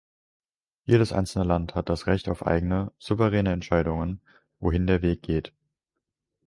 Jedes einzelne Land hat das Recht auf eigene, souveräne Entscheidungen, wohin der Weg geht.